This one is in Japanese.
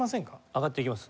上がっていきます。